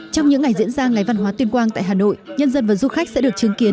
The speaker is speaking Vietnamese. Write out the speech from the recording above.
trong những ngày diễn ra ngày văn hóa tuyên quang tại hà nội nhân dân và du khách sẽ được chứng kiến